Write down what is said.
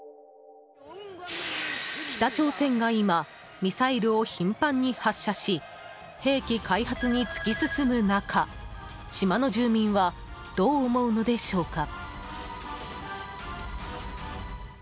北朝鮮が今ミサイルを頻繁に発射し兵器開発に突き進む中島の住民はどう思うのでしょうか。